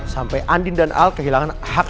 sampai andin dan al kehilangan hak